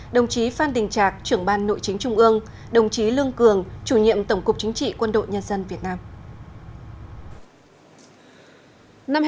đồng chí phan đình trạc trưởng ban nội chính trung ương đồng chí lương cường chủ nhiệm tổng cục chính trị quân đội nhân dân việt nam